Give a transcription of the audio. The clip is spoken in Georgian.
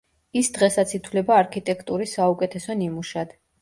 ის დღესაც ითვლება არქიტექტურის საუკეთესო ნიმუშად.